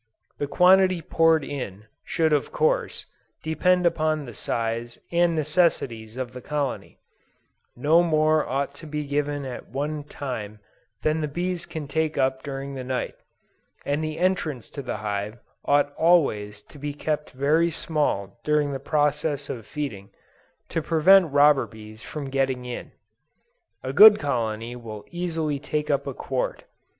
The quantity poured in, should of course, depend upon the size and necessities of the colony; no more ought to be given at one time than the bees can take up during the night, and the entrance to the hive ought always to be kept very small during the process of feeding, to prevent robber bees from getting in; a good colony will easily take up a quart.